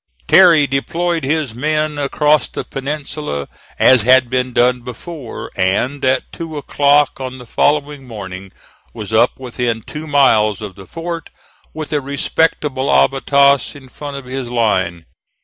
Terry deployed his men across the peninsula as had been done before, and at two o'clock on the following morning was up within two miles of the fort with a respectable abatis in front of his line.